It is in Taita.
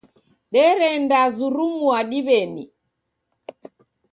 Derendazurumia ndiw'enyi.